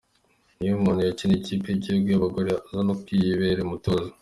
Nyinawumuntu yakiniye Ikipe y’Igihugu y’Abagore aza no kuyibera umutoza.